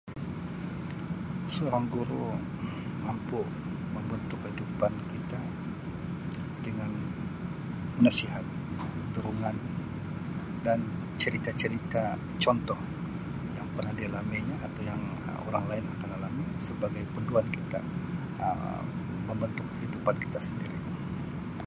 Seorang guru mampu membentuk kehidupan kita dengan nasihat, dorongan dan cerita-cerita contoh yang pernah dialami nya atau yang Um orang lain yang akan alami sebagai panduan kita Um membentuk kehidupan kita sendiri.